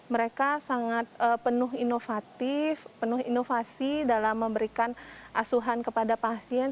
mereka sangat penuh inovatif penuh inovasi dalam memberikan asuhan kepada pasien